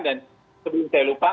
dan sebelum saya lupa